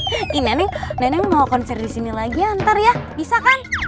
ii nenek nenek mau konser disini lagi ntar ya bisa kan